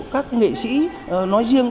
các nghị sĩ nói riêng